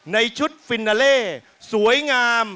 ในชุดฟินาเล่สวยงาม